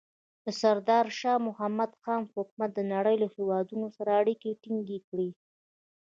د سردار شاه محمود خان حکومت د نړۍ له هېوادونو سره اړیکې ټینګې کړې.